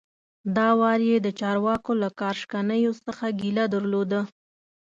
دا وار یې د چارواکو له کار شکنیو څخه ګیله درلوده.